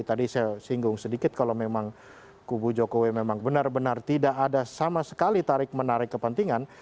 tadi saya singgung sedikit kalau memang kubu jokowi memang benar benar tidak ada sama sekali tarik menarik kepentingan